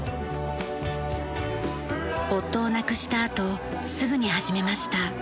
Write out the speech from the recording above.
夫を亡くしたあとすぐに始めました。